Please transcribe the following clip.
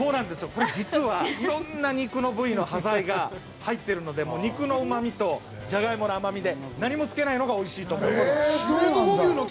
これ実はいろんな肉の部位の端材が入っているので肉のうま味と、じゃがいもの甘みで何もつけないのがおいしいと思います。